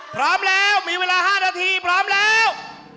พร้อมแล้วมีเวลา๕นาทีพร้อมแล้ว